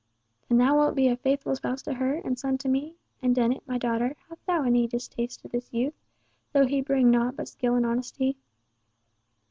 "Then thou wilt be a faithful spouse to her, and son to me? And Dennet, my daughter, hast thou any distaste to this youth—though he bring nought but skill and honesty?"